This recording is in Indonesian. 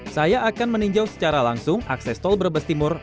saya akan meninjau secara langsung akses tol brebes timur